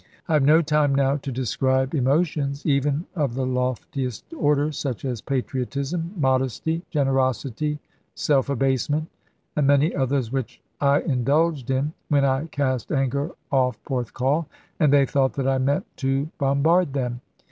I have no time now to describe emotions, even of the loftiest order, such as patriotism, modesty, generosity, self abasement, and many others which I indulged in, when I cast anchor off Porthcawl, and they thought that I meant to bombard them.